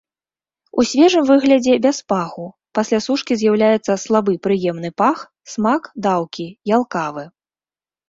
У свежым выглядзе без паху, пасля сушкі з'яўляецца слабы прыемны пах, смак даўкі, ялкавы.